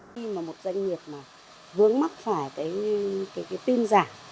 khi mà một doanh nghiệp mà vướng mắt phải cái tin giảm